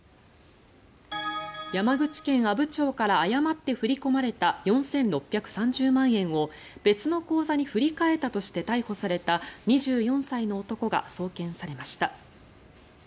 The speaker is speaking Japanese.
山口県阿武町から誤って振り込まれた４６３０万円を別の口座に振り替えたとして逮捕された２４歳の男が送検されました。